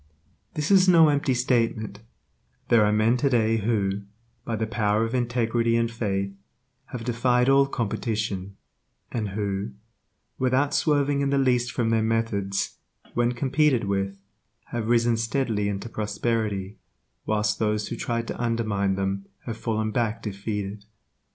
This is no empty statement, There are men today who, by the power of integrity and faith, have defied all competition, and who, without swerving in the least from their methods, when competed with, have risen steadily into prosperity, whilst those who tried to undermine them have fallen back defeated.